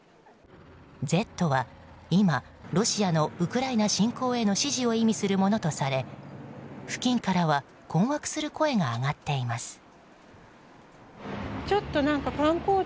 「Ｚ」は今、ロシアのウクライナ侵攻への支持を意味するものとされ付近からは困惑する声が上がっています。